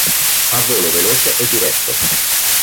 Ha volo veloce e diretto.